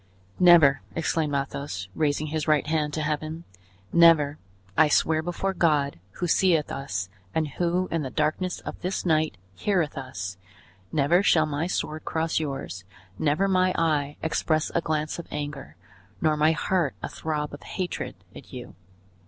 "Never!" exclaimed Athos, raising his right hand to Heaven, "never! I swear before God, who seeth us, and who, in the darkness of this night heareth us, never shall my sword cross yours, never my eye express a glance of anger, nor my heart a throb of hatred, at you.